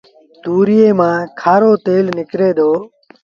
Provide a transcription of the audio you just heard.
تُوريئي مآݩ کآرو تيل نڪري دو